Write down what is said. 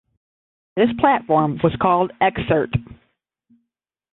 This platform was called Excerpt.